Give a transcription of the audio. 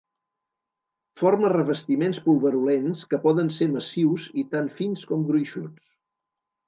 Forma revestiments pulverulents que poden ser massius i tant fins com gruixuts.